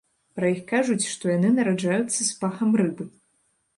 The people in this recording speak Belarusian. Пра іх кажуць, што яны нараджаюцца з пахам рыбы.